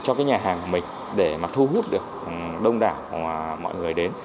cho cái nhà hàng của mình để mà thu hút được đông đảo mọi người đến